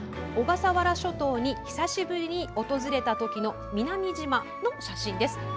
小笠原諸島に久しぶりに訪れたときの南島の写真です。